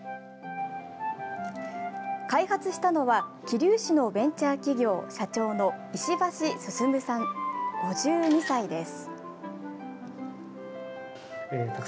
開発したのは桐生市のベンチャー企業社長の石橋進さん、５２歳です。